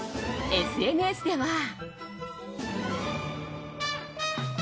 ＳＮＳでは。